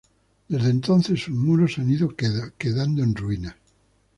Desde entonces sus muros se han ido quedando en ruinas.